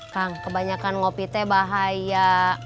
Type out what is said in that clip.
kang kebanyakan ngopi teh bahaya